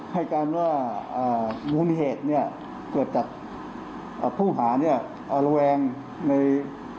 ให้การว่ามูลเหตุเนี่ยเกิดจากผู้หาเนี่ยระแวงใน